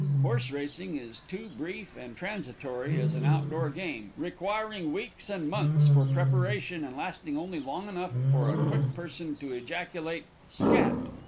Horse racing is too brief and transitory as an outdoor game, requiring weeks and months for preparation and lasting only long enough for a quick person to ejaculate "Scat!"